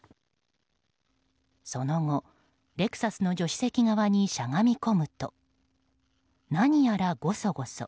その後、レクサスの助手席側にしゃがみ込むと何やらごそごそ。